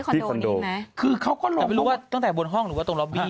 ที่คอนโดนะคือเขาก็ลงไม่รู้ว่าตั้งแต่บนห้องหรือว่าตรงล็อบบี้